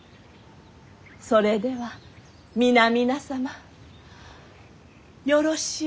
それでは皆々様よろしゅう